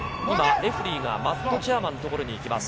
レフェリーがマットチェアマンのところに行きます。